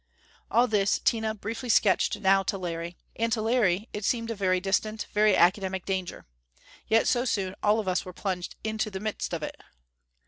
All this Tina briefly sketched now to Larry. And to Larry it seemed a very distant, very academic danger. Yet so soon all of us were plunged into the midst of it!